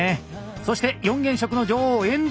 そして四原色の女王遠藤。